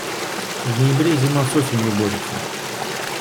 В ноябре зима с осенью борется.